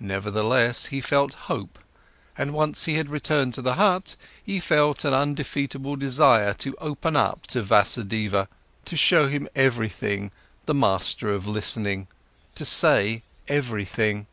Nevertheless, he felt hope, and once he had returned to the hut, he felt an undefeatable desire to open up to Vasudeva, to show him everything, the master of listening, to say everything.